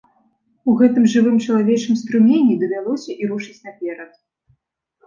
У гэтым жывым чалавечым струмені давялося і рушыць наперад.